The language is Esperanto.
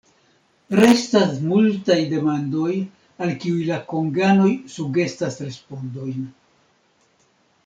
Restas multaj demandoj, al kiuj la konganoj sugestas respondojn.